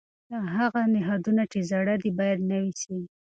هغه نهادونه چې زاړه دي باید نوي سي.